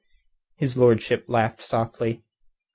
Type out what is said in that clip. His lordship laughed softly.